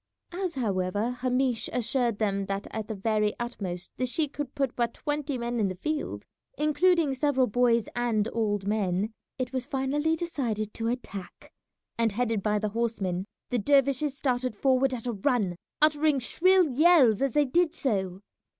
As, however, Hamish assured them that at the very utmost the sheik could put but twenty men in the field, including several boys and old men, it was finally decided to attack, and headed by the horsemen the dervishes started forward at a run, uttering shrill yells as they did so.